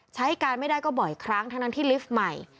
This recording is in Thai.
ใช้การไม่ได้ก็บ่อยครั้งทั้งที่ลิฟต์ใหม่